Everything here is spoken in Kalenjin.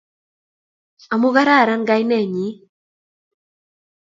Amu kararan kainennyi.